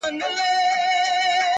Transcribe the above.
او د سترګو بهرنۍ جلوه مجاز دی